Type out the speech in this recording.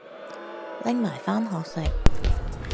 拎埋返學食